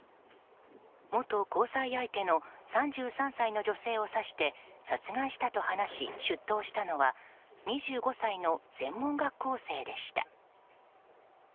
元交際相手の３３の女性を刺して殺害したと話し出頭したのは２５歳の専門学校生でした。